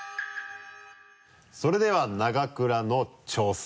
それでは永倉の挑戦。